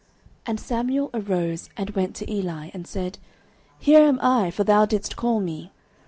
And Samuel arose and went to Eli, and said, Here am I; for thou didst call me.